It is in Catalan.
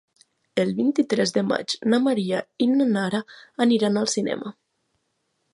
El vint-i-tres de maig na Maria i na Nara aniran al cinema.